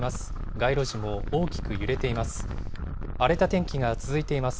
街路樹も大きく揺れています。